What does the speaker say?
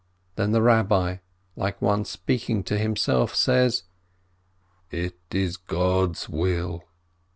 Then the Rabbi, like one speaking to himself, says : "It is God's will.